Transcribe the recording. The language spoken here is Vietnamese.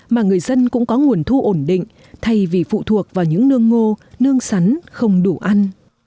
mà người dân cũng có nguồn thu ổn định thay vì phụ thuộc vào những nương ngô nương sắn không đủ ăn